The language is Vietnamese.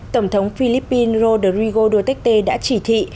tổng thống philippines rodrigo duterte đã chỉ thị